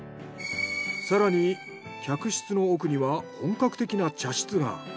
更に客室の奥には本格的な茶室が。